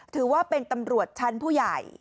ถือว่าเป็นตำรวจชั้นผู้ใหญ่